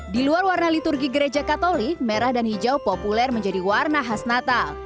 di luar warna liturgi gereja katolik merah dan hijau populer menjadi warna khas natal